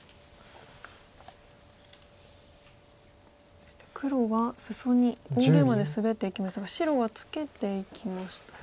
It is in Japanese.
そして黒は裾に大ゲイマでスベっていきましたが白はツケていきましたね。